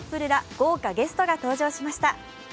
豪華ゲストが登場しました。